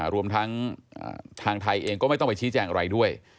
รวมทั้งทางไทยเองก็ไม่ต้องไปชี้แจงอะไรด้วย